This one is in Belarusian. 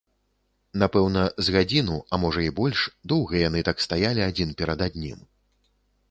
Напэўна, з гадзіну, а можа і больш, доўга яны так стаялі адзін перад адным.